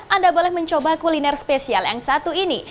anda boleh mencoba kuliner spesial yang satu ini